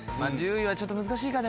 １０位はちょっと難しいか。